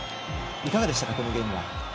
いかがでしたか、このゲーム。